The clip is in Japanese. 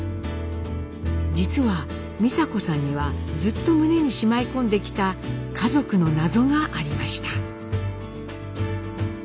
実は美佐子さんにはずっと胸にしまい込んできた家族の謎がありました。